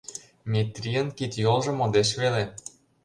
Метрийын кид-йолжо модеш веле.